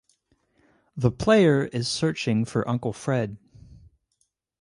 The player is searching for Uncle Fred.